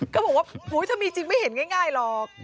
ก็บอกว่าถ้ามีจริงไม่เห็นง่ายหรอก